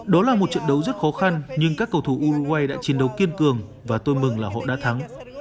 đó là một trận đấu rất khó khăn nhưng các cầu thủ uruguay đã chiến đấu kiên cường và tôi mừng là họ đã thắng